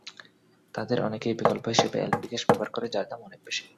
তাদের অনেকেই বিকল্প হিসেবে এলপি গ্যাস ব্যবহার করে, যার দাম অনেক বেশি।